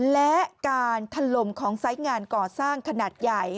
และการถล่มของไซส์งานก่อสร้างขนาดใหญ่